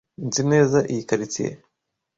Nzi neza iyi quartier.